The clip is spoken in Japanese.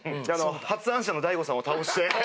発案者の大悟さんを倒して。